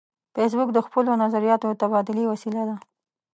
فېسبوک د خپلو نظریاتو د تبادلې وسیله ده